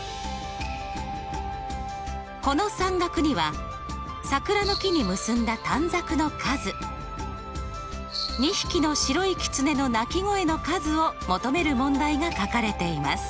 この算額には桜の木に結んだ短冊の数２匹の白い狐の鳴き声の数を求める問題が書かれています。